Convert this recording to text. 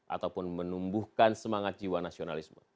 ataupun menumbuhkan semangat jiwa nasionalisme